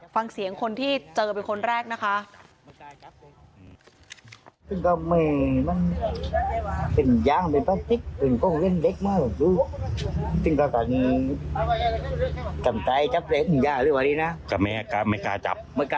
ฟังเสียงคนที่เจอเป็นคนแรกนะคะ